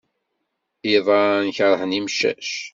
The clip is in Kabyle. Iḍan keṛhen imcac.